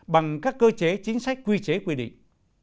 bằng các cơ chế chính sách quy chế quy định